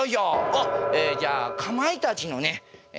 おっじゃあかまいたちのね